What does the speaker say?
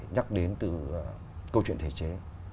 nhắc đến từ câu chuyện thể chế